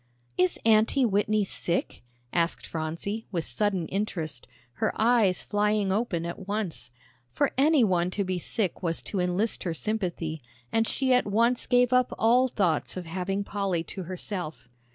"Is Aunty Whitney sick?" asked Phronsie, with sudden interest, her eyes flying open at once. For any one to be sick was to enlist her sympathy, and she at once gave up all thoughts of having Polly to herself.